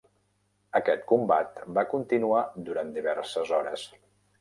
Aquest combat va continuar durant diverses hores.